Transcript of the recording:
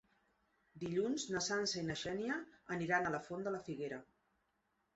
Dilluns na Sança i na Xènia aniran a la Font de la Figuera.